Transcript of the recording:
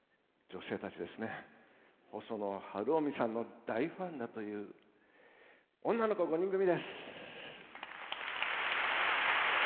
細野晴臣さんの大ファンだという女の子５人組です。